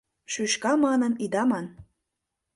Шӱшка манын ида ман.